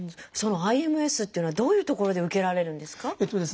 そのＩＭＳっていうのはどういうところで受けられるんですか？